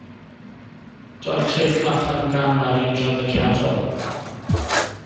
Daw'r teitl allan o gân werin draddodiadol.